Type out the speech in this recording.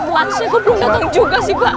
masih kok belum datang juga sih pak